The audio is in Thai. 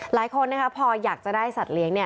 หลายคนพออยากจะได้สัตว์เลี้ยง